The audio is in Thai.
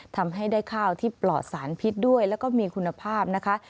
ทำให้ได้ข้าวที่ปลอดสารพิษด้วยแล้วก็มีคุณภาพนะคะ